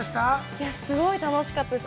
◆いや、すごい楽しかったです。